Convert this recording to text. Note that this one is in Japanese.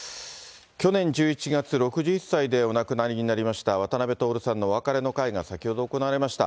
去年１１月、６１歳でお亡くなりになりました、渡辺徹さんのお別れの会が先ほど行われました。